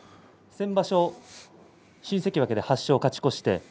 先場所、新関脇で８勝勝ち越しましたね。